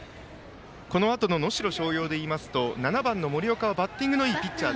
このあとの能代松陽でいいますと７番の森岡はバッティングのいいピッチャー。